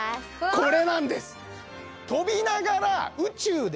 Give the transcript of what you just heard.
これなんです！